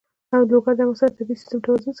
لوگر د افغانستان د طبعي سیسټم توازن ساتي.